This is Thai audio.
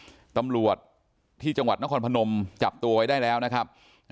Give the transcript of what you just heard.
ตำรวจที่จังหวัดนครพนมจับตัวไว้ได้แล้วนะครับ